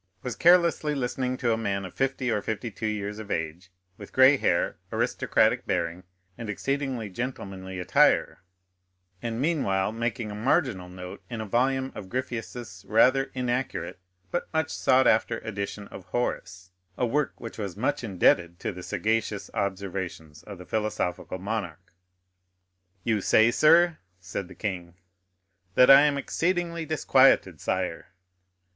was carelessly listening to a man of fifty or fifty two years of age, with gray hair, aristocratic bearing, and exceedingly gentlemanly attire, and meanwhile making a marginal note in a volume of Gryphius's rather inaccurate, but much sought after, edition of Horace—a work which was much indebted to the sagacious observations of the philosophical monarch. "You say, sir——" said the king. "That I am exceedingly disquieted, sire."